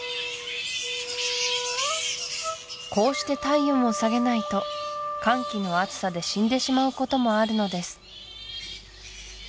こうして体温を下げないと乾季の暑さで死んでしまうこともあるのです